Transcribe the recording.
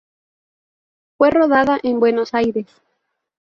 Fue rodada en Buenos Aires.